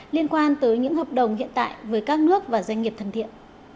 liên quan tới những hợp đồng hiện tại với các nước và doanh nghiệp thân thiện